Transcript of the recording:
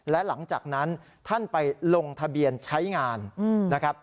และหลังจากนั้นท่านไปลงทะเบียนใช้งานนะครับ